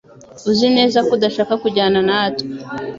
Uzi neza ko udashaka kujyana natwe